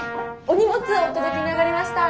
お荷物お届けに上がりました。